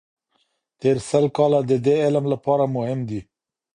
تېر سل کاله د دې علم لپاره مهم دي.